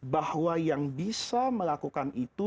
bahwa yang bisa melakukan itu